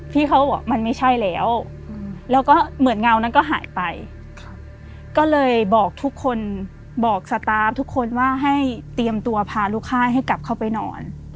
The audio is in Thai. พี่เขาก็บอกมันไม่ใช่แล้วแล้วก็เหมือนเงานั้นก็หายไปก็เลยบอกทุกคนบอกสตาร์ฟทุกคนว่าให้เตรียมตัวพาลูกค่ายให้กลับเข้าไปนอน